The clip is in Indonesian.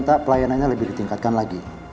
saya ingin perkembangannya lebih ditingkatkan lagi